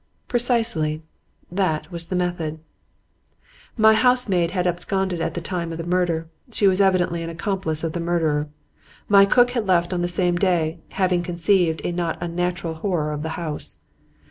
"Precisely. That was the method. "My housemaid had absconded at the time of the murder; she was evidently an accomplice of the murderer. My cook had left on the same day, having conceived a not unnatural horror of the house.